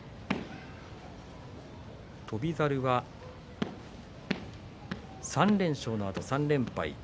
翔猿は３連勝のあと３連敗。